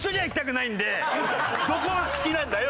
どこが好きなんだよ！